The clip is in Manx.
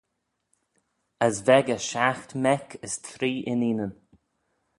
As v'echey shiaght mec as three inneenyn.